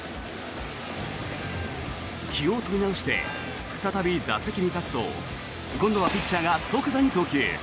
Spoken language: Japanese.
気を取り直して再び打席に立つと今度はピッチャーが即座に投球。